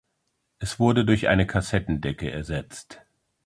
Es wurde durch eine Kassettendecke ersetzt.